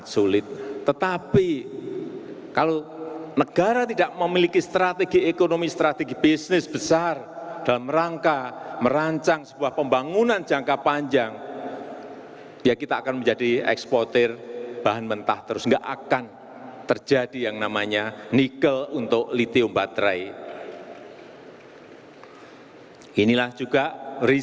saya rasa itu yang bisa saya sampaikan pada kesempatan yang baik ini